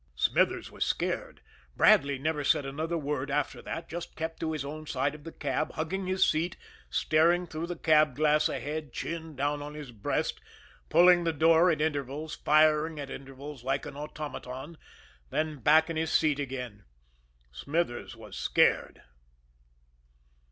Smithers was scared. Bradley never said another word after that just kept to his own side of the cab, hugging his seat, staring through the cab glass ahead, chin down on his breast, pulling the door at intervals, firing at intervals like an automaton, then back to his seat again. Smithers was scared.